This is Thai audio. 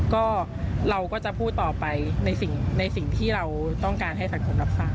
ก็เราก็จะพูดต่อไปในสิ่งที่เราต้องการให้สังคมรับทราบ